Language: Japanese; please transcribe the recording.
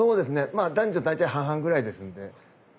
まあ男女大体半々ぐらいですので。